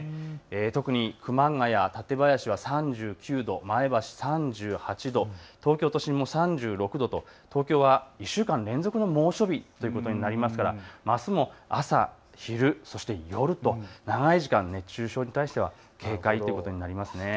特に熊谷、館林は３９度、前橋３８度、東京都心も３６度と東京は１週間連続の猛暑日ということになりますから、あすも朝、昼そして、夜と長い時間、熱中症に対しては警戒ということになります。